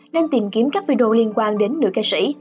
nên tìm kiếm các video liên quan đến nữ ca sĩ